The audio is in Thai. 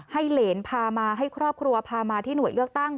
เหรนพามาให้ครอบครัวพามาที่หน่วยเลือกตั้ง